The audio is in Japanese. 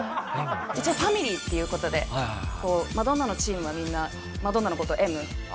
一応ファミリーっていう事でマドンナのチームはみんなマドンナの事を「Ｍ」。